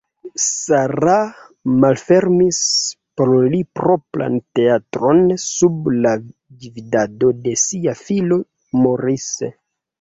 Sarah malfermis por li propran teatron sub la gvidado de sia filo Maurice.